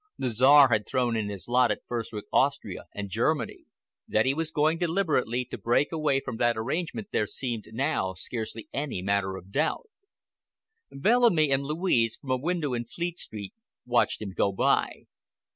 The Czar had thrown in his lot at first with Austria and Germany. That he was going deliberately to break away from that arrangement there seemed now scarcely any manner of doubt. Bellamy and Louise, from a window in Fleet Street, watched him go by.